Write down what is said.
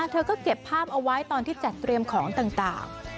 เธอก็เก็บภาพเอาไว้ตอนที่จัดเตรียมของต่าง